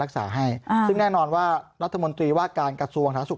ให้ซึ่งแน่นอนว่ารัฐมนตรีว่าการกระทรวงสาธารสุข